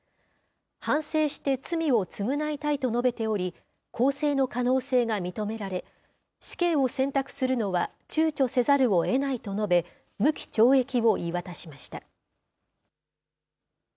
反省して罪を償いたいと述べており、更生の可能性が認められ、死刑を選択するのはちゅうちょせざるをえないと述べ、無期懲役を言い渡しました。